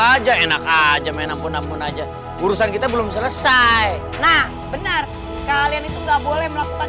aja enak aja autonet manhattan ngurusan kita belum selesai nah benar kalian itu gak boleh melakukan